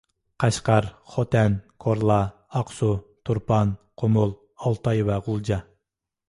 قەشقەر، خوتەن، كورلا، ئاقسۇ، تۇرپان، قۇمۇل، ئالتاي ۋە غۇلجا